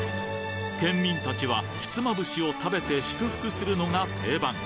県民たちはひつまぶしを食べて祝福するのが定番。